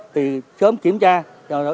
thì sớm kiểm tra